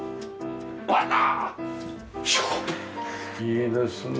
いいですね。